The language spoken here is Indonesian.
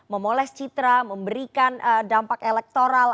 memoles citra memberikan dampak elektoral